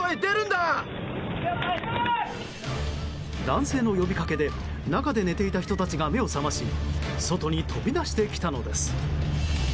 男性の呼びかけで中で寝ていた人たちが目を覚まし外に飛び出してきたのです。